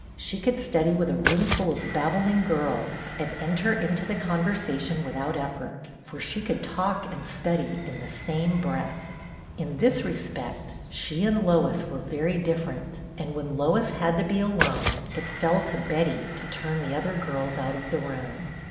She could study with a room full of babbling girls and enter into the conversa tion without effort, for she could talk and study in the same breath. In this resjoect HER FIRST RECEPTION 99 she and Lois were very different, and when Lois had to be alone it fell to Betty to turn the other girls out of the room.